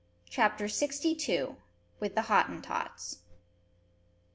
CHAPTER SIXTY TWO. WITH THE HOTTENTOTS.